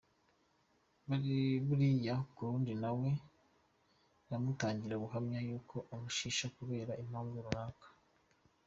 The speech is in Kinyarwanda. Buriya harundi nawe wamutangira ubuhamya yuko amushimisha kubera impamvu runaka.